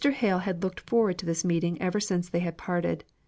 Hale had looked forward to this meeting ever since they had parted.